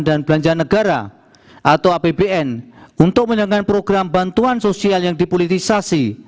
dan negara atau apbn untuk menyangkutkan program bantuan sosial yang dipolitisasi